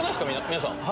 皆さん。